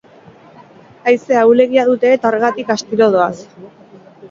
Haize ahulegia dute eta horregatik astiro doaz.